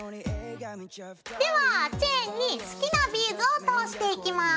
ではチェーンに好きなビーズを通していきます。